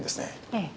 ええ。